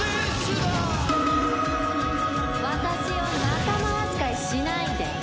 私を仲間扱いしないで！